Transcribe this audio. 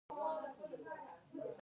مور څنګه مینه کوي؟